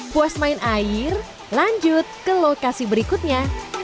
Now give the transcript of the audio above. puas main air lanjut ke lokasi berikutnya